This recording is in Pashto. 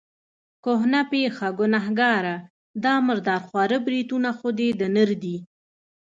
کهنه پېخه، ګنهګاره، دا مردار خواره بریتونه خو دې د نر دي.